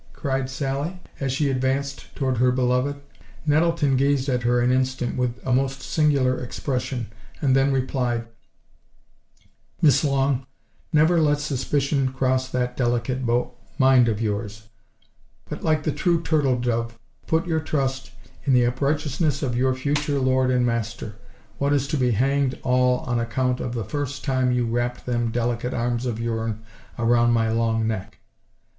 cried Sally, as she advanced toward her beloved. Nettleton gazed at her an instant with a most singular expression, and then replied: "Miss Long, never let suspicion cross that delicate bo— mind of yours, but like the true turtle dove, put your trust in the uprighteousness of your future lord and master, what is to be hanged all on account of the first time you wrapped them delicate arms of yourn around my long neck."